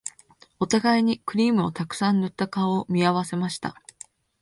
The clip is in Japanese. お互いにクリームをたくさん塗った顔を見合わせました